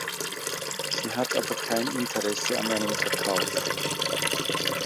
Sie hat aber kein Interesse an einem Verkauf.